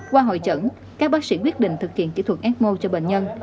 qua hội chẩn các bác sĩ quyết định thực hiện kỹ thuật ecmo cho bệnh nhân